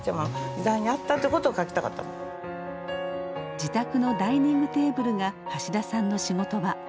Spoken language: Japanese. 自宅のダイニングテーブルが橋田さんの仕事場。